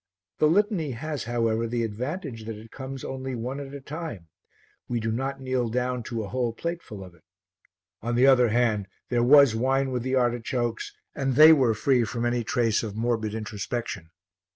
The Litany has, however, the advantage that it comes only one at a time, we do not kneel down to a whole plateful of it; on the other hand, there was wine with the artichokes and they were free from any trace of morbid introspection.